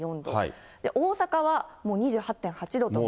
大阪はもう２８．８度と。